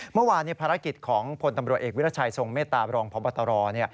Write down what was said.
เมื่อวานภารกิจของพลตำรวจเอกวิรัชัยทรงเมตตาบรองพบตร